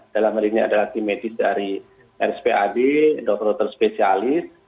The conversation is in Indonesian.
dalam hal ini adalah tim medis dari rspad dokter dokter spesialis